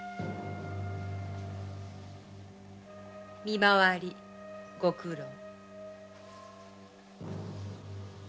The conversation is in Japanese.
見まわりご苦労。